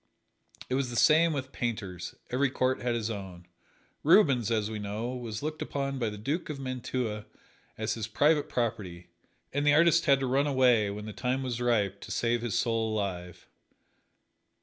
It was the same with painters every court had its own. Rubens, as we know, was looked upon by the Duke of Mantua as his private property, and the artist had to run away, when the time was ripe, to save his soul alive.